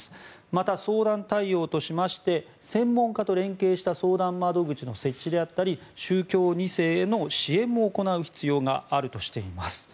また、相談対応としまして専門家と連携した相談窓口の設置であったり宗教２世への支援も行う必要があるとしています。